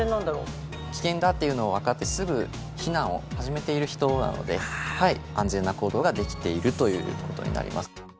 危険だっていうのをわかってすぐ避難を始めている人なので安全な行動ができているという事になります。